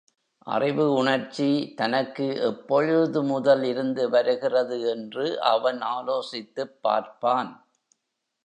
அறிவு உணர்ச்சி தனக்கு எப்பொழுது முதல் இருந்து வருகிறது என்று அவன் ஆலோசித்துப் பார்ப்பான்.